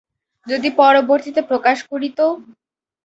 যদি পরবর্তীতে প্রকাশ করি তো?